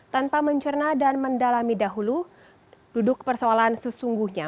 tanpa mencerna dan mendalami dahulu duduk persoalan sesungguhnya